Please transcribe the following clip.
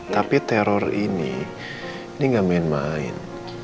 tapi teror ini ini gak main main